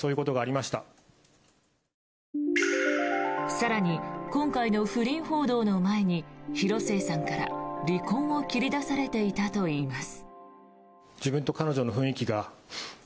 更に、今回の不倫報道の前に広末さんから離婚を切り出されていたといいます。